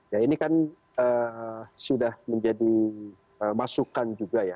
ya ini kan sudah menjadi masukan juga ya